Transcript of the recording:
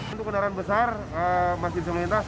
untuk kendaraan besar masih selintas